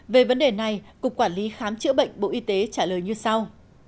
về vấn đề này cục quản lý khám chữa bệnh bộ y tế trả lời như sau